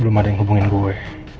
belum ada yang hubungin gue